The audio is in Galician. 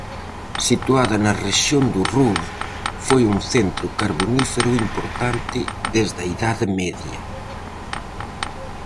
Situada na rexión do Ruhr, foi un centro carbonífero importante desde a Idade Media.